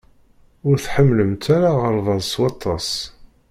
Ur tḥemmlemt ara aɣerbaz s waṭas.